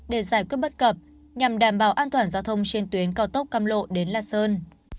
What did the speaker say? để giải quyết bất cập nhằm đảm bảo an toàn giao thông trên tuyến cao tốc cam lộ đến lạc sơn